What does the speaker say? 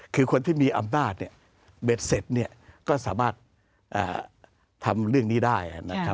คือคนที่มีอำนาจเบ็ดเสร็จก็สามารถทำเรื่องนี้ได้นะครับ